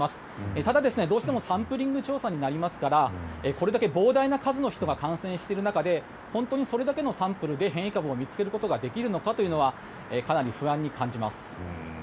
ただ、どうしてもサンプリング調査になりますからこれだけ膨大な数の人が感染している中で本当にそれだけのサンプルで変異株を見つけることができるのかというのはかなり不安に感じます。